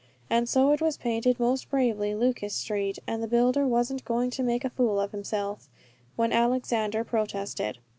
And so it was painted most bravely "Lucas Street," and the builder wasn't going to make a fool of himself, when Alexander protested.